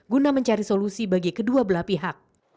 guna mencari solusi bagi kedua belah pihak